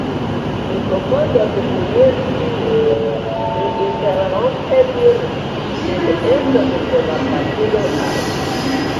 Mi klopodos kuiri ilin, mi interrompe diris, sed estos tre malfacile al mi.